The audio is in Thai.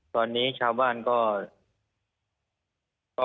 ตอนนี้ชาวบ้านก็